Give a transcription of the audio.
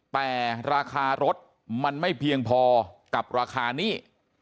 แต่ราคารถมันไม่เพียงพอกับราคาหนี้